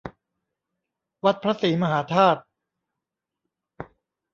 วัดพระศรีมหาธาตุ